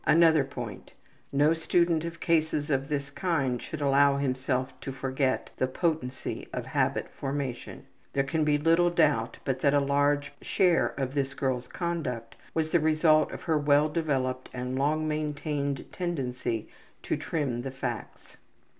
Another point: no student of cases of this kind should allow himself to forget the potency of habit formation. There can be little doubt but that a large share of this girl's conduct was the result of her well developed and long maintained tendency to trim the facts.